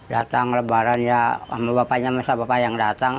datang lebaran ya sama bapaknya masa bapak yang datang